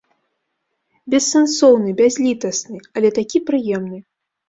Бессэнсоўны, бязлітасны, але такі прыемны!